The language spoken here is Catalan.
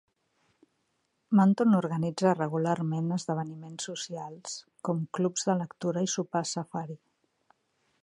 Manton organitza regularment esdeveniments socials, com clubs de lectura i sopars safari.